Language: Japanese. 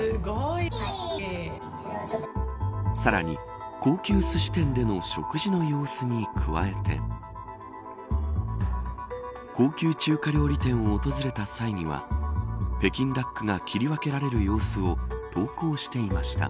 さらに、高級すし店での食事の様子に加えて高級中華料理店を訪れた際には北京ダックが切り分けられる様子を投稿していました。